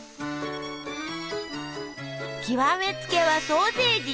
極めつけはソーセージ！